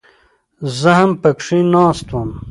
زه هم پکښې ناست وم.